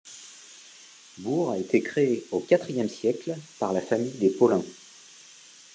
Bourg a été créée au quatrième siècle par la famille des Paulin.